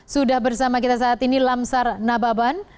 sudah bersama kita saat ini lamsar nababan